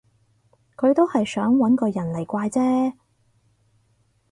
佢都係想搵個人嚟怪啫